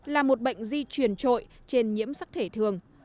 là một bệnh di truyền trội trên nhiễm sắc thể thường